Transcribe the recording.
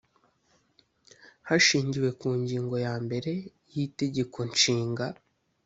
hashingiwe ku ngingo ya mbere yi itegeko nshinga